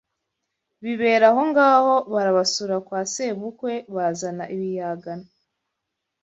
Bibera aho ngaho barabasura kwa sebukwe bazana ibiyagano